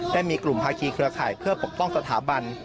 ได้มีกลุ่มภาคีเครือข่ายเพื่อปกป้องสถาบัน